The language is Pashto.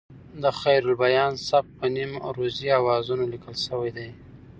د خیرالبیان سبک په نیم عروضي اوزانو لیکل شوی دی.